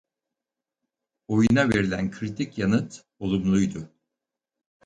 Oyuna verilen kritik yanıt olumluydu.